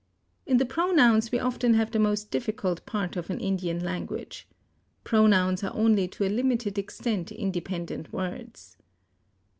In the pronouns we often have the most difficult part of an Indian language. Pronouns are only to a limited extent independent words.